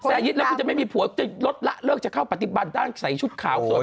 ยิตแล้วคุณจะไม่มีผัวจะลดละเลิกจะเข้าปฏิบัติด้านใส่ชุดขาวสวย